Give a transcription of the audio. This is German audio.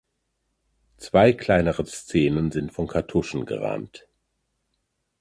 Zwei kleinere Szenen sind von Kartuschen gerahmt.